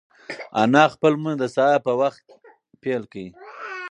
انا خپل لمونځ د سهار په وخت پیل کړ.